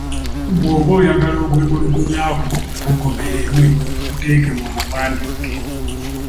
Bwoba oyagala okwemulugunya kwo kugobererwe kuteeke mu buwandiike.